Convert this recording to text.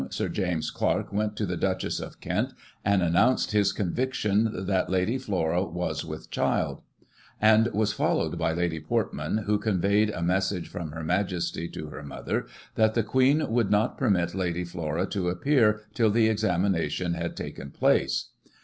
Sir James Clark went to the Duchess of Kent, and announced his conviction that Lady Flora was with child ; and was followed by Lady Portman, who conveyed a message from Her Majesty to her mother, that the Queen would not permit Lady Flora to appear till the examination had taken place.